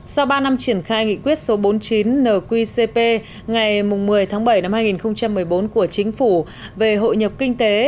sau ba năm triển khai nghị quyết số bốn mươi chín nqcp ngày một mươi tháng bảy năm hai nghìn một mươi bốn của chính phủ về hội nhập kinh tế